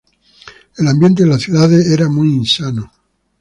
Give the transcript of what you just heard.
El ambiente de las ciudades era muy insano.